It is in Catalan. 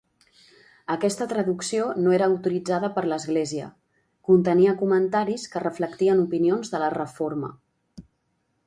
Aquesta traducció no era autoritzada per l'Església; contenia comentaris que reflectien opinions de la Reforma.